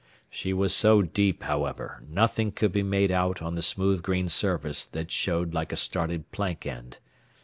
She was so deep, however, nothing could be made out on the smooth green surface that showed like a started plank end.